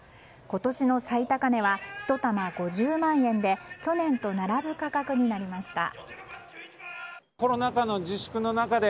今年の最高値は１玉５０万円で去年と並ぶ価格になりました。